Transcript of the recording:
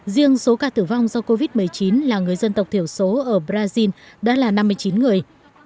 riêng số ca tử vong do covid một mươi chín là người dân tộc thiểu số ở brazil đã là năm mươi chín người